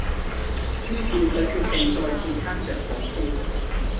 於是佢決定再次撻着火機